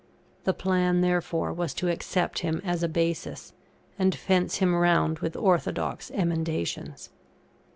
The plan, therefore, was to accept him as a basis, and fence him round with orthodox emendations.